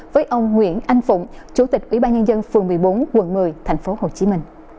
với ông nguyễn anh phụng chủ tịch ủy ban nhân dân phường một mươi bốn quận một mươi tp hcm